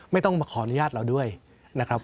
ไม่ต้องมาขออนุญาตเราด้วยนะครับ